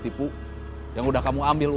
siapa tadi yang ng consci milknya